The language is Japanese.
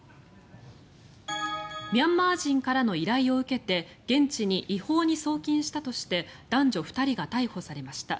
ミャンマー人からの依頼を受けて現地に違法に送金したとして男女２人が逮捕されました。